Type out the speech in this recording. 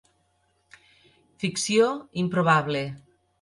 Ficció improbable